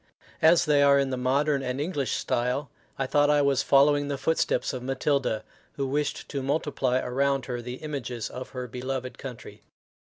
As they are in the modern and English style, I thought I was following the footsteps of Matilda, who wished to multiply around her the images of her beloved country.